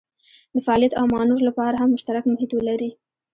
د فعالیت او مانور لپاره هم مشترک محیط ولري.